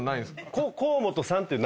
河本さんっていう。